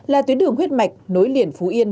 là tuyến đường huyết mạch nối liền phú yên